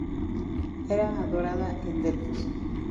Era adorada en Delfos.